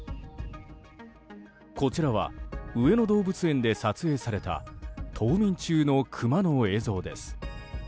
こちらは上野動物園で撮影された冬眠中のクマの映像です。